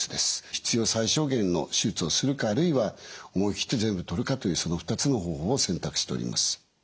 必要最小限の手術をするかあるいは思い切って全部取るかというその２つの方法を選択しております。